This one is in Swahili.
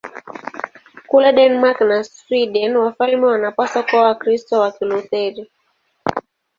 Kule Denmark na Sweden wafalme wanapaswa kuwa Wakristo wa Kilutheri.